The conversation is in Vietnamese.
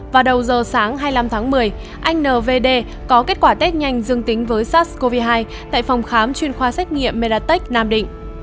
vào đầu giờ sáng hai mươi năm tháng một mươi anh nvd có kết quả test nhanh dương tính với sars cov hai tại phòng khám chuyên khoa xét nghiệm meratech nam định